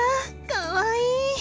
かわいい。